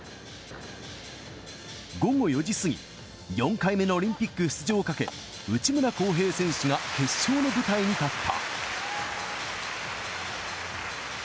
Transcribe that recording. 午後４時過ぎ、４回目のオリンピック出場をかけ、内村航平選手が決勝の舞台に立った。